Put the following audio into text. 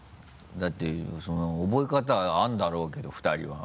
だってその覚え方あるんだろうけど２人は。